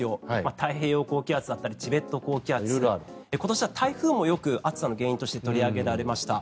太平洋高気圧だったりチベット高気圧、今年は台風もよく暑さの原因として取り上げられました。